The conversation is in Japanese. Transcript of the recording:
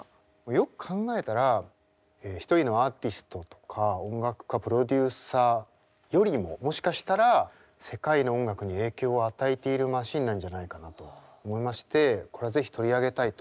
よく考えたら一人のアーティストとか音楽家プロデューサーよりももしかしたら世界の音楽に影響を与えているマシンなんじゃないかなと思いましてこれは是非取り上げたいと思いました。